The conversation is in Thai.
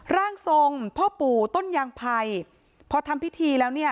ร่างทรงพ่อปู่ต้นยางไพรพอทำพิธีแล้วเนี่ย